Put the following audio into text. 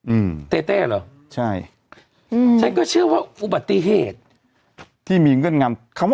อืมเต้เต้เหรอใช่อืมฉันก็เชื่อว่าอุบัติเหตุที่มีเงื่อนงำคำว่า